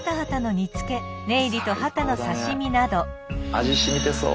味しみてそう。